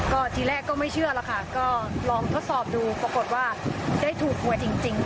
ก็ทีแรกก็ไม่เชื่อแล้วค่ะก็ลองทดสอบดูปรากฏว่าได้ถูกหวยจริง